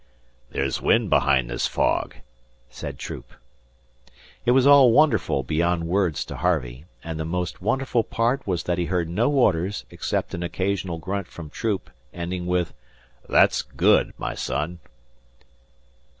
"There's wind behind this fog," said Troop. It was wonderful beyond words to Harvey; and the most wonderful part was that he heard no orders except an occasional grunt from Troop, ending with, "That's good, my son!"